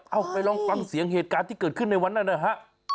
เอาไปลองฟังเสียงเหตุการณ์ที่เกิดขึ้นในวันนั้นนะฮะ